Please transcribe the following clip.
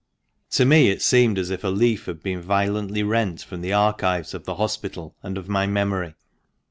To me it seemed as if a leaf had been violently rent from the archives of the Hospital and of my memory.